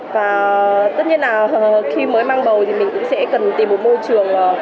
và tất nhiên là khi mới mang bầu thì mình cũng sẽ cần tìm một môi trường